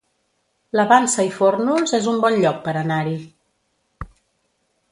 La Vansa i Fórnols es un bon lloc per anar-hi